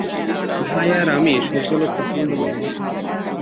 ভাই আর আমি সূর্যালোক পছন্দ করতাম।